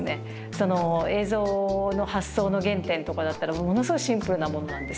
その映像の発想の原点とかだったらものすごいシンプルなものなんですよ。